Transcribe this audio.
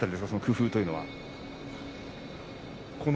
そのコツというのは。